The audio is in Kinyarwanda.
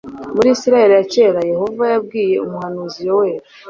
muri isirayeli ya kera yehova yabwiye umuhanuzi yoweli